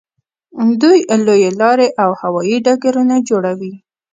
دوی لویې لارې او هوایي ډګرونه جوړوي.